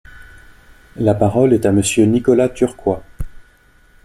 La parole est à Monsieur Nicolas Turquois.